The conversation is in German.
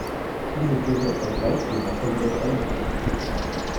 Diese führt hier etwa gleich viel Wasser wie der "Steinbach".